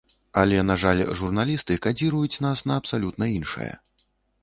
Але, на жаль, журналісты кадзіруюць нас на абсалютна іншае.